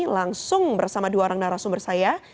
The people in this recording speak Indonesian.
langsung bersama dua orang narasumber saya